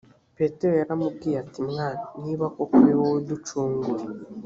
petero yaramubwiye ati mwami niba koko ari wowe ducungure.